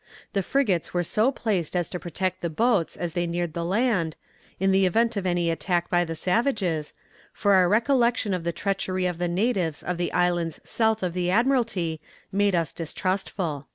The frigates were so placed as to protect the boats as they neared the land, in the event of any attack by the savages, for our recollection of the treachery of the natives of the islands south of the Admiralty made us distrustful."